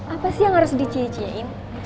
apa sih yang harus dicie ciein